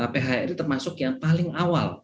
phri termasuk yang paling awal